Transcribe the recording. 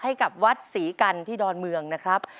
ให้กับวัดศรีกันที่ดอนเมืองนะครับ